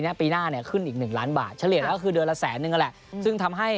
ในปีหน้าขึ้นอีก๑ล้านบาทเฉลี่ยก็คือเดือนละแสนนึง